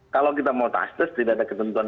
kalau kita mau tas tes tidak ada ketentuan